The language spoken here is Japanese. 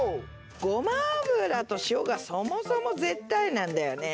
ごま油と塩がそもそも絶対なんだよね。